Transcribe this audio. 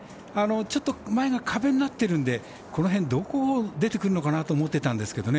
ちょっと前が壁になってるんでこの辺、どこに出てくるのかなと思っていたんですけどね。